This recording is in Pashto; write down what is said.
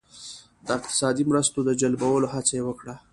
د اقتصادي مرستو د جلبولو هڅه یې وکړه.